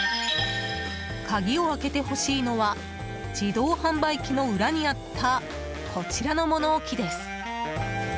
鍵を開けてほしいのは自動販売機の裏にあったこちらの物置です。